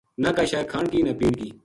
نہ کائے شے کھان کی نہ پین کی